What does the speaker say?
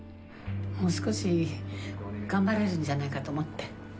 もう少し頑張れるんじゃないかと思って。